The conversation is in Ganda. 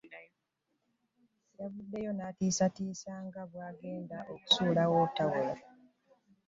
Yavuddeyo n'atiisatiisa nga bw'agenda okusuulawo ttawulo